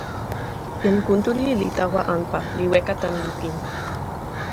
jan Kuntuli li tawa anpa, li weka tan lukin.